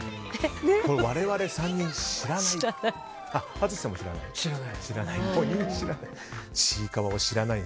我々３人知らない。